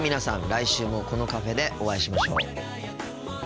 来週もこのカフェでお会いしましょう。